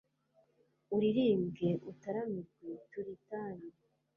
uririmbwe, utaramirwe turitanye